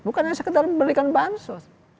bukan hanya sekedar memberikan bansos